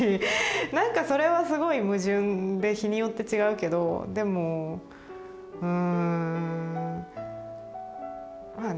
なんかそれはすごい矛盾で日によって違うけどでもうんまあね